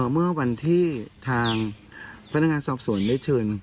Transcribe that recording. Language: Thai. เมื่อวันที่ทางพนักงานสอบสวนได้เชิญ